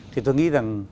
thì tôi nghĩ rằng